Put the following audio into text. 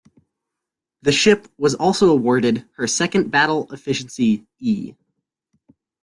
The ship was also awarded her second Battle Efficiency "E".